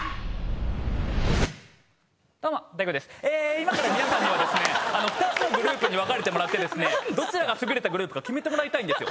今から皆さんにはですね２つのグループに分かれてもらってどちらが優れたグループか決めてもらいたいんですよ。